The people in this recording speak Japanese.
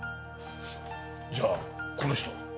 じゃあこの人は？